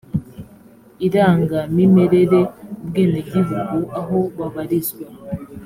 irangamimerere ubwenegihugu aho babarizwa